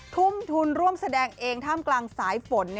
ทุ่มทุนร่วมแสดงเองท่ามกลางสายฝน